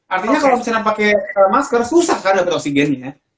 artinya kalau misalnya pakai masker susah kan dapat oksigennya